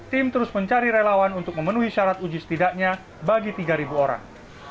tim terus mencari relawan untuk memenuhi syarat uji setidaknya bagi tiga orang